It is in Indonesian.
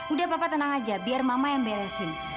udah papa tenang aja biar mama yang beresin